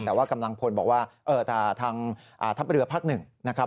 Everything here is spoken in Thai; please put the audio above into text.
แต่ว่ากำลังพลบอกว่าเออแต่ทางทัพเรือพลัก๑นะครับ